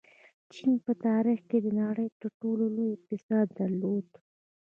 چین په تاریخ کې د نړۍ تر ټولو لوی اقتصاد درلود.